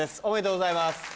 おめでとうございます。